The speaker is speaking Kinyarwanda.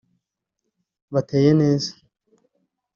bateye neza